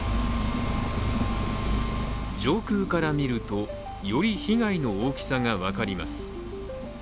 上空から見るとより被害の大きさが分かります。